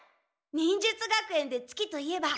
忍術学園で月といえば。